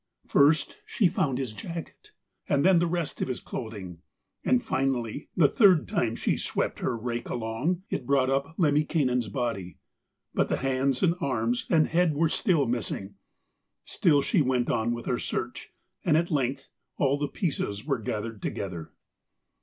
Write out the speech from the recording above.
First, she found his jacket, and then the rest of his clothing; and finally, the third time she swept her rake along, it brought up Lemminkainen's body, but the hands and arms and head were still missing. Still she went on with her search, and at length all the pieces were gathered together.